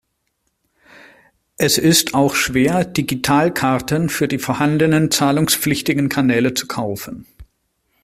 Es ist auch schwer, Digitalkarten für die vorhandenen zahlungspflichtigen Kanäle zu kaufen.